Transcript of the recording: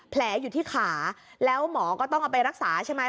แผลอยู่ที่ขาแล้วหมอก็ต้องเอาไปรักษาใช่ไหม